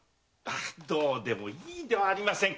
どうでもいいではありませんか！